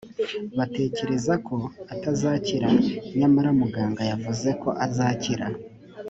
batekereza ko atazakira nyamara muganga yavuze ko azakira